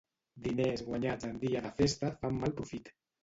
Diners guanyats en dia de festa fan mal profit.